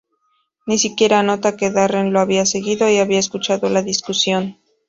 Ni siquiera nota que Darren lo había seguido y había escuchado la discusión.